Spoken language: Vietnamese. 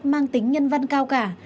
mang tính nhân văn cao cả